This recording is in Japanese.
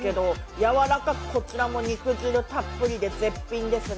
柔らかく、こちらも肉汁たっぷりで絶品ですね。